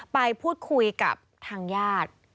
ไปพูดคุยกับทางญาติ